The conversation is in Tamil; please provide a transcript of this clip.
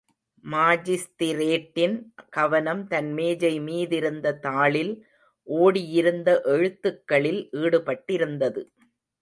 மாஜிஸ்திரேட்டின் கவனம் தன் மேஜை மீதிருந்த தாளில் ஓடியிருந்த எழுத்துக்களில் ஈடுபட்டிருந்தது.